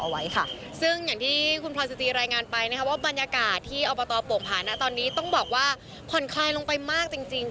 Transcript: ว่าผ่อนคลายลงไปมากจริง